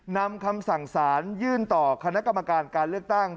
นำคำสั่งสารยื่นต่อคณะกรรมการการเลือกตั้ง